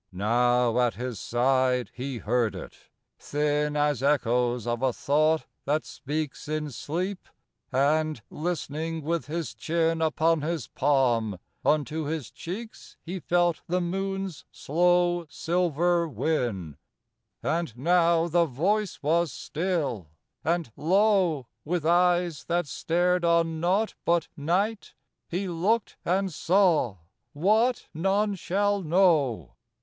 Now at his side he heard it: thin As echoes of a thought that speaks In sleep: and, listening with his chin Upon his palm, unto his cheeks He felt the moon's slow silver win. And now the voice was still: and lo, With eyes that stared on naught but night, He looked and saw what none shall know!